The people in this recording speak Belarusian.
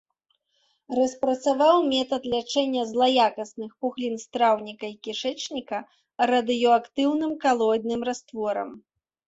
Распрацаваў метад лячэння злаякасных пухлін страўніка і кішэчніка радыеактыўным калоідным растворам.